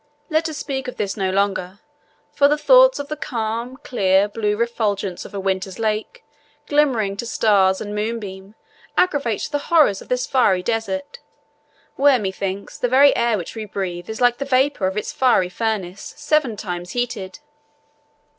Let us speak of this no longer, for the thoughts of the calm, clear, blue refulgence of a winter's lake, glimmering to stars and moonbeam, aggravate the horrors of this fiery desert, where, methinks, the very air which we breathe is like the vapour of a fiery furnace seven times heated."